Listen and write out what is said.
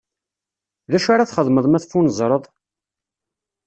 D acu ara txedmeḍ ma teffunezreḍ?